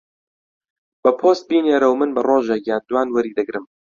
بە پۆست بینێرە و من بە ڕۆژێک یان دووان وەری دەگرم.